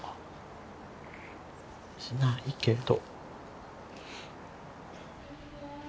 しないけど。